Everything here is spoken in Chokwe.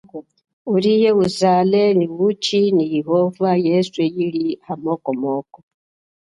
Ulie, uzale, nyi uchi nyi yehova yeswe ili ya moko moko.